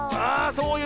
そうだよ。